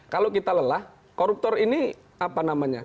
kalau kita lelah koruptor ini apa namanya